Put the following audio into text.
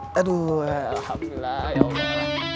eh aduh alhamdulillah ya allah